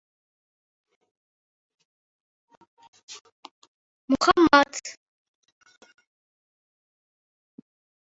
Azob aybsizlarni ham aybliman deyishga majburlaydi.